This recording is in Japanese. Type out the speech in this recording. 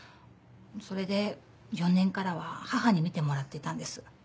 それで４年からは母に見てもらってたんです。